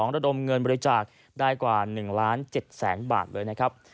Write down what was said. ระดมเงินบริจาคได้กว่า๑ล้าน๗แสนบาทเลยนะครับ